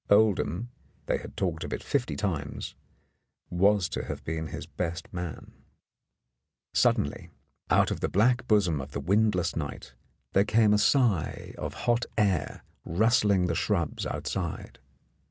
Oldham — they had talked of it fifty times — was to have been his best man. 114 In the Dark Suddenly, out of the black bosom of the windless night, there came a sigh of hot air rustling the shrubs outside.